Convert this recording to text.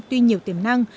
tuy nhiều tiềm năng